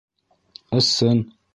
Ысын.